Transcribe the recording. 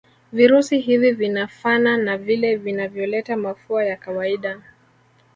virusi hivi vinafana na vile vinavyoleta mafua ya kawaida